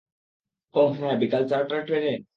ওহ্ হ্যাঁঁ বিকেল চারটার ট্রেনে?